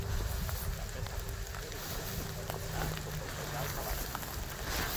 També s'apliquen deduccions per fregar o colpejar el cavall.